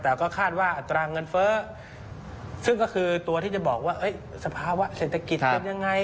แต่ก็คาดว่าอัตราเงินเฟ้อซึ่งก็คือตัวที่จะบอกว่าสภาวะเศรษฐกิจเป็นยังไง